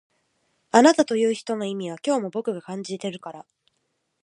あなたという人の意味は今日も僕が感じてるから